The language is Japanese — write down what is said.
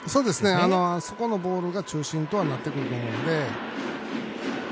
あそこのボールが中心とはなってくると思うので。